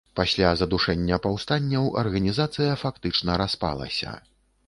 Пасля задушэння паўстанняў арганізацыя фактычна распалася.